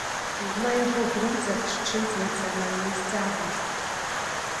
На яго грудзях шчыт з нацыянальным сцягам.